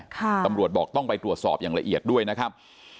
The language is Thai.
ตำรวจบอกต้องไปตรวจสอบอย่างละเอียดด้วยนะครับ